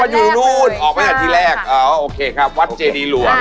อ๋อวัดหยุดนู้นออกมาอันที่แรกอ๋อโอเคครับวัดเจดีหลวง